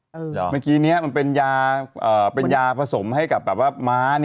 เมื่อกี้นี้มันเป็นยาเป็นยาผสมให้กับแบบว่าม้า